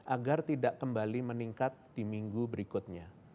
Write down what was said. agar tidak kembali meningkat di minggu berikutnya